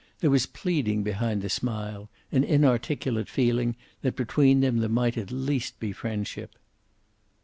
There was pleading behind the smile, an inarticulate feeling that between them there might at least be friendship.